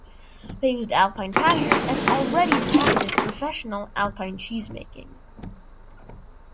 They used alpine pastures and already practiced professional Alpine cheese making.